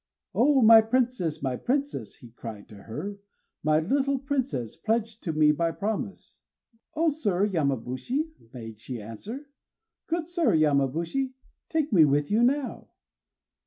"O my princess, my princess!" he cried to her, "my little princess, pledged to me by promise!" "O Sir Yamabushi," made she answer, "good Sir Yamabushi, take me with you now!